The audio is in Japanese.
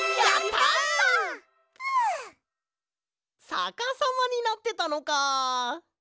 さかさまになってたのか！